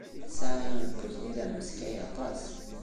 Sɛiɣ yiwen n uydi d ahuskay aṭas.